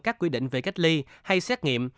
các quy định về kết ly hay xét nghiệm